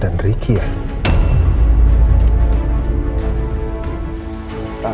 tante aku mau kasih kamu uang